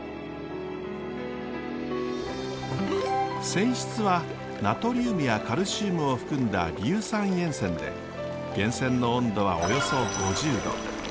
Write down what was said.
泉質はナトリウムやカルシウムを含んだ硫酸塩泉で源泉の温度はおよそ５０℃。